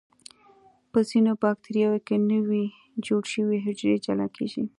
په ځینو بکټریاوو کې نوي جوړ شوي حجرې جلا کیږي.